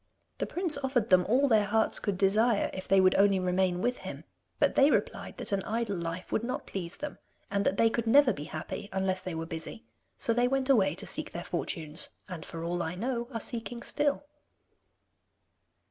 The prince offered them all their hearts could desire if they would only remain with him, but they replied that an idle life would not please them, and that they could never be happy unless they were busy, so they went away to seek their fortunes, and for all I know are seeking still.